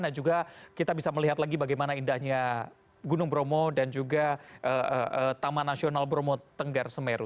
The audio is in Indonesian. nah juga kita bisa melihat lagi bagaimana indahnya gunung bromo dan juga taman nasional bromo tenggar semeru